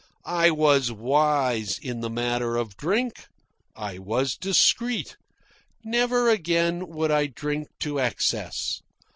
I was wise in the matter of drink. I was discreet. Never again would I drink to excess.